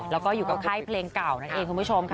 แล้วก็อยู่กับค่ายเพลงเก่านั่นเองคุณผู้ชมค่ะ